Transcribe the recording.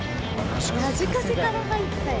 ラジカセから入ったよ。